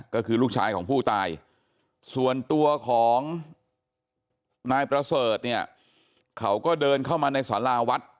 ก็คือลูกชายของผู้ตายส่วนตัวของนายประเสริฐเนี่ยเขาก็เดินเข้ามาในสาราวัด